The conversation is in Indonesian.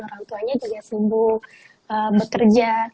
orang tuanya juga sibuk bekerja